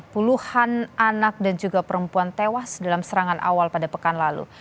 puluhan anak dan juga perempuan tewas dalam serangan awal pada pekan lalu